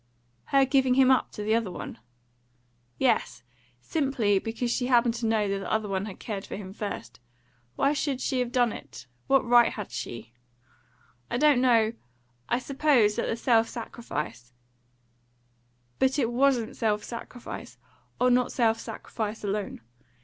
"Her giving him up to the other one?" "Yes; simply because she happened to know that the other one had cared for him first. Why should she have done it? What right had she?" "I don't know. I suppose that the self sacrifice " "But it WASN'T self sacrifice or not self sacrifice alone.